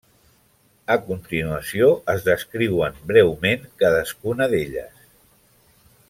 A continuació es descriuen breument cadascuna d'elles.